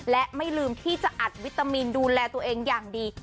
และไม่ลืมที่จะอัดวิตามินดูแลตัวเองอย่างดี